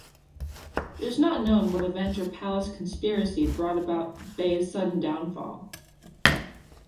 It is not known what event or palace conspiracy brought about Bay's sudden downfall.